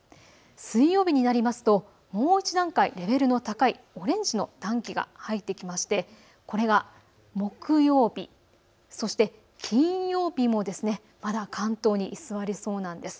水曜日になりますともう１段階レベルの高いオレンジの暖気が入ってきましてこれが木曜日、そして金曜日もまだ関東に居座りそうなんです。